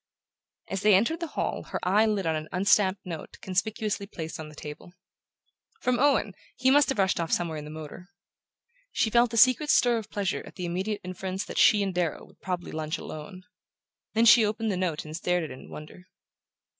As they entered the hall her eye lit on an unstamped note conspicuously placed on the table. "From Owen! He must have rushed off somewhere in the motor." She felt a secret stir of pleasure at the immediate inference that she and Darrow would probably lunch alone. Then she opened the note and stared at it in wonder.